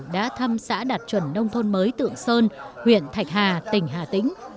đã thăm xã đạt chuẩn nông thôn mới tượng sơn huyện thạch hà tỉnh hà tĩnh